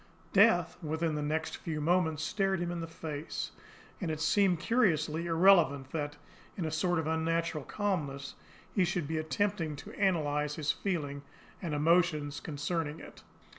Death, within the next few moments, stared him in the face; and it seemed curiously irrelevant that, in a sort of unnatural calmness, he should be attempting to analyse his feelings and emotions concerning it.